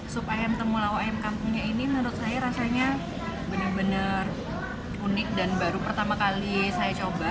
sup ayam temulawa ayam kampungnya ini menurut saya rasanya benar benar unik dan baru pertama kali saya coba